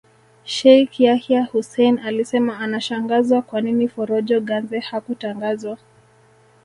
Sheikh Yahya Hussein alisema anashangazwa kwa nini Forojo Ganze hakutangazwa